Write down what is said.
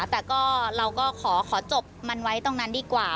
แต่ก็เราก็ขอจบมันไว้ตรงนั้นดีกว่า